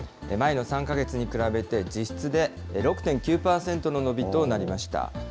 前の３か月に比べて、実質で６．９％の伸びとなりました。